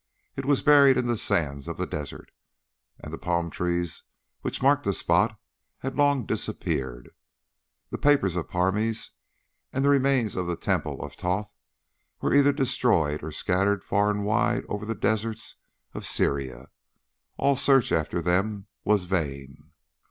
It was buried in the sands of the desert, and the palm trees which marked the spot had long disappeared. The papers of Parmes and the remains of the Temple of Thoth were either destroyed or scattered far and wide over the deserts of Syria. All search after them was vain.